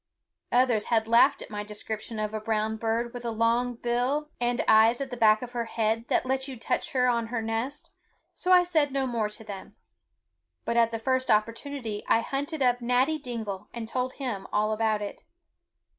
Others had laughed at my description of a brown bird with a long bill and eyes at the back of her head that let you touch her on her nest, so I said no more to them; but at the first opportunity I hunted up Natty Dingle and told him all about it.